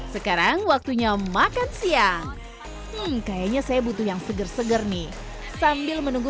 sekarang waktunya makan siang kayaknya saya butuh yang seger seger nih sambil menunggu